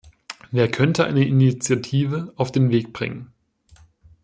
Wer könnte eine Initiative auf den Weg bringen?